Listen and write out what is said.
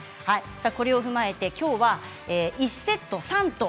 これを踏まえてきょうは１セット３投